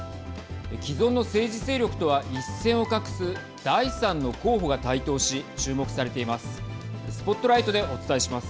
既存の政治勢力とは一線を画す第３の候補が台頭し注目されています。